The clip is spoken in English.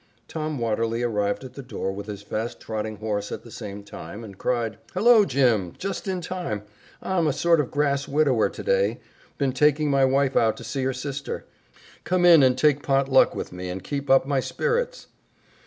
Tom Watterly arrived at the door with his fast trotting horse at the same time, and cried, "Hello, Jim! Just in time. I'm a sort of grass widower today been taking my wife out to see her sister. Come in and take pot luck with me and keep up my spirits."